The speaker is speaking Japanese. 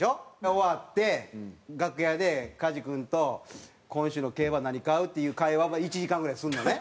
終わって楽屋で加地君と「今週の競馬何買う？」っていう会話を１時間ぐらいするのね。